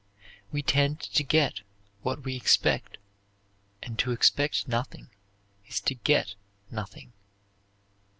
We tend to get what we expect, and to expect nothing is to get nothing.